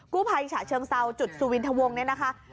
กู้ไพรฉะเชิงเซาจุศุวินทวงศ์